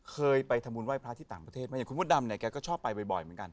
เคยไปทำบุญไหว้พระที่ต่างประเทศไหมอย่างคุณมดดำเนี่ยแกก็ชอบไปบ่อยเหมือนกัน